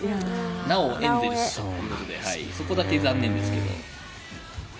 なおエンゼルスということでそこだけ残念ですけど。